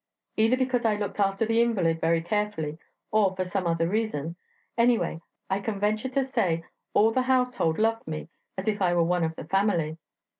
Either because I looked after the invalid very carefully, or for some other reason; anyway, I can venture to say all the household loved me as if I were one of the family...